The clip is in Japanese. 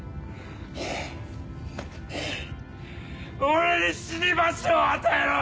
俺に死に場所を与えろ！